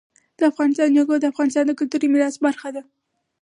د افغانستان جلکو د افغانستان د کلتوري میراث برخه ده.